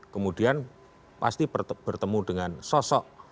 kemudian pasti bertemu dengan sosok